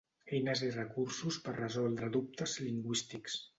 Eines i recursos per resoldre dubtes lingüístics.